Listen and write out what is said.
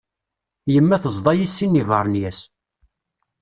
Yemma teẓḍa-iyi sin n yibernyas.